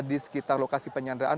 di sekitar lokasi penyanderaan